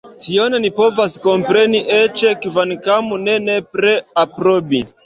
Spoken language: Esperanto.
Tion ni povas kompreni, eĉ kvankam ne nepre aprobi.